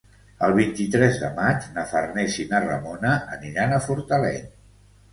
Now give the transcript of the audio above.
El vint-i-tres de maig na Farners i na Ramona aniran a Fortaleny.